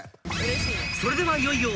［それではいよいよ］